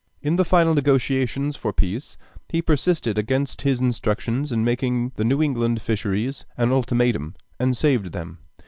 In the final negotiations for peace, he persisted against his instructions in making the New England fisheries an ultimatum, and saved them.